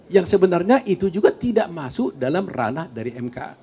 yang sebenarnya itu juga tidak masuk dalam ranah dari mk